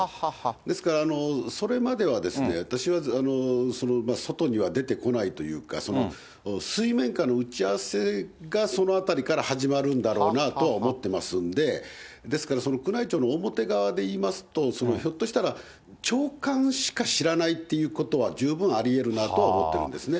ですから、それまでは私は外には出てこないというか、水面下の打ち合わせがそのあたりから始まるんだろうなとは思ってますんで、ですから、宮内庁の表側で言いますと、ひょっとしたら、長官しか知らないっていうことは、十分ありえるなとは思ってるんですね。